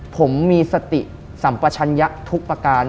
ผมมีสติสัมปชัญญะทุกประการ